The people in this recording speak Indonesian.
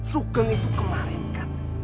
sugeng itu kemarin kan